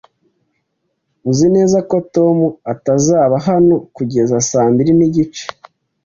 Uzi neza ko Tom atazaba hano kugeza saa mbiri nigice?